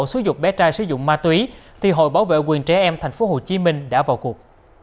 xúi dục bé trai sử dụng ma túy thì hội bảo vệ quyền trẻ em tp hcm đã vào cuộc